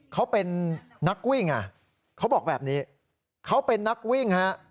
เขาเป็นนักวิ่งอ่ะเขาบอกแบบนี้เขาเป็นนักวิ่งฮะ